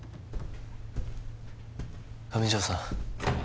上条さん